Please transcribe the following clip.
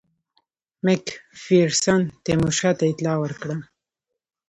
مک فیرسن تیمورشاه ته اطلاع ورکړه.